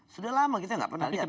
sudah lama kita nggak pernah lihat